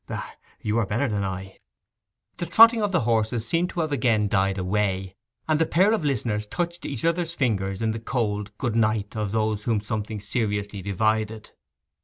Ah, you are better than I!' The trotting of the horses seemed to have again died away, and the pair of listeners touched each other's fingers in the cold 'Good night' of those whom something seriously divided.